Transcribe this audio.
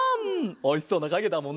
おいしそうなかげだもんなあ。